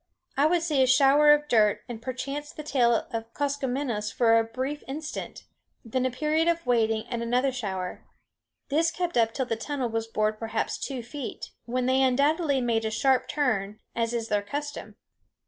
I would see a shower of dirt, and perchance the tail of Koskomenos for a brief instant, then a period of waiting, and another shower. This kept up till the tunnel was bored perhaps two feet, when they undoubtedly made a sharp turn, as is their custom.